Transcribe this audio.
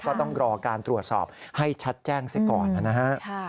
ก็ต้องรอการตรวจสอบให้ชัดแจ้งเสียก่อนนะฮะ